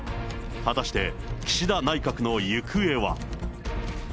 果たして、岸田内閣の行方は。